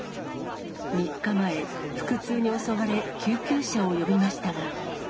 ３日前、腹痛に襲われ、救急車を呼びましたが。